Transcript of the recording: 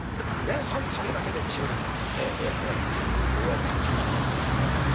「そういうわけで千代田様大家さんに相談しちゃってごめんなさい。